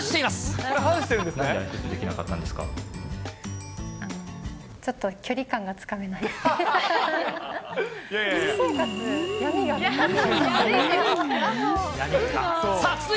あのぉ、ちょっと距離感がつかめない。